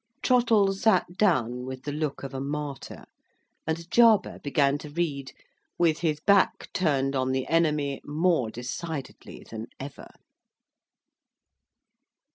Trottle sat down with the look of a martyr, and Jarber began to read with his back turned on the enemy more decidedly than ever.